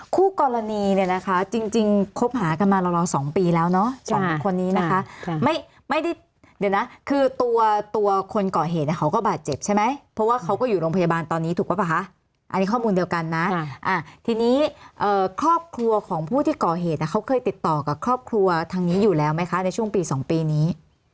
คู่กรณีเนี่ยนะคะจริงคบหากันมาราว๒ปีแล้วเนาะสองคนนี้นะคะไม่ไม่ได้เดี๋ยวนะคือตัวตัวคนก่อเหตุเนี่ยเขาก็บาดเจ็บใช่ไหมเพราะว่าเขาก็อยู่โรงพยาบาลตอนนี้ถูกป่ะคะอันนี้ข้อมูลเดียวกันนะทีนี้ครอบครัวของผู้ที่ก่อเหตุเขาเคยติดต่อกับครอบครัวทางนี้อยู่แล้วไหมคะในช่วงปี๒ปีนี้